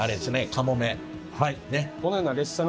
かもめ。